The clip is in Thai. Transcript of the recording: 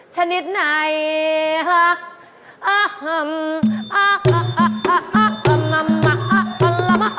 ชนิดไหน